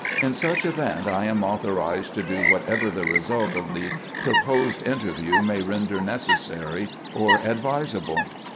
In such event, I am authorized to do whatever the result of the proposed interview may render necessary or advisable."